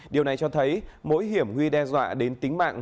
điều này cho thấy mối hiểm nguy đe dọa đến tính mạng